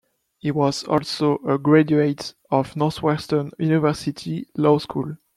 He was also a graduate of Northwestern University Law School.